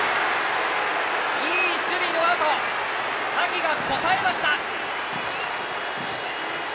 いい守備のあと、萩が応えました。